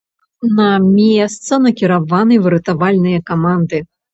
На месца накіраваны выратавальныя каманды.